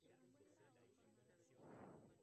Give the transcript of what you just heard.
Chris regresa a Pittsburgh para visitar a su padre.